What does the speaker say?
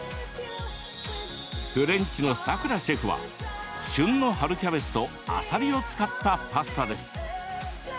フレンチのさくらシェフは旬の春キャベツとあさりを使ったパスタです。